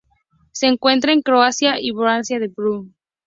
Se encuentra en Croacia y Bosnia-Herzegovina.